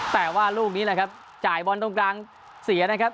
แต่ว่าลูกนี้แหละครับจ่ายบอลตรงกลางเสียนะครับ